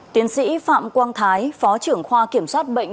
tiến sĩ phạm quang thái phó trưởng khoa kiểm soát bệnh